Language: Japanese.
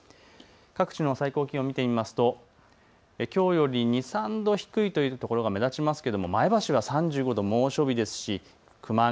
各地の最高気温、見てみますときょうより２、３度低いというところが目立ちますけども前橋は３５度、猛暑日ですし熊谷、